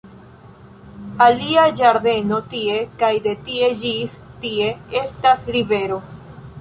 Alia ĝardeno tie, kaj de tie ĝis tie, estas rivero